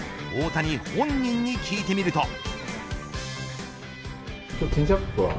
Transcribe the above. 大谷本人に聞いてみると。